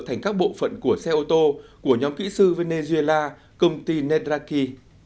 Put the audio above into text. thành các bộ phận của xe ô tô của nhóm kỹ sư venezuela công ty nedraki